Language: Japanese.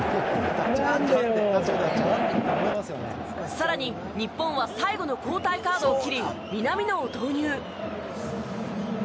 更に日本は最後の交代カードを切り南野を投入。